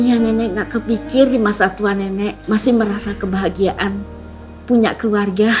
iya nenek gak kepikir di masa tua nenek masih merasa kebahagiaan punya keluarga